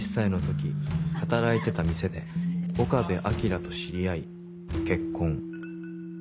「２働いてた店で岡部彰と知り合い結婚」。